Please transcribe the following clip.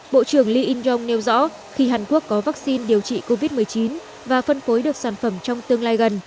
bộ trưởng lee in jong nêu rõ khi hàn quốc có vaccine điều trị covid một mươi chín và phân phối được sản phẩm trong tương lai gần